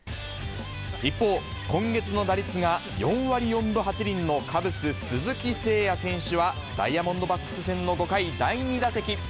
一方、今月の打率が４割４分８厘のカブス、鈴木誠也選手は、ダイヤモンドバックス戦の５回、第２打席。